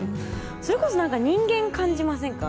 それこそなんか人間感じませんか？